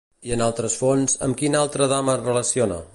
I en altres fonts, amb quina altra dama es relaciona?